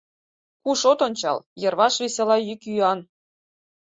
Куш от ончал — йырваш весела йӱк-йӱан...